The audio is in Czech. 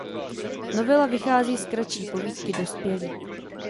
Novela vychází z kratší povídky „Dospělí“.